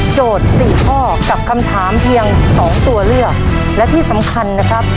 สี่ข้อกับคำถามเพียงสองตัวเลือกและที่สำคัญนะครับ